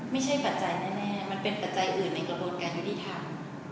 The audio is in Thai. ปัจจัยแน่มันเป็นปัจจัยอื่นในกระบวนการยุติธรรม